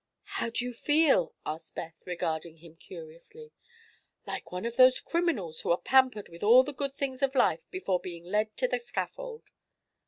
"How do you feel?" asked Beth, regarding him curiously. "Like one of those criminals who are pampered with all the good things of life before being led to the scaffold."